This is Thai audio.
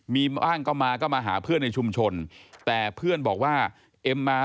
มีมอ้างก็มาก็มาหาเพื่อนในชุมชนแต่เพื่อนบอกว่าเอ็มมา